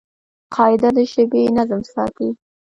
قاعده د ژبي نظم ساتي.